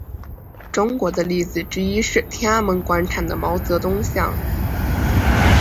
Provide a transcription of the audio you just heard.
中国的例子之一是天安门广场的毛泽东像。